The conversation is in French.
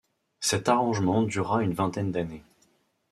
Cet arrangement dura une vingtaine d'années.